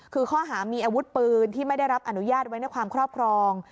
คือข้อหามีอาวุธปืนที่ไม่ได้รับอนุญาตไว้ในความครอบครอง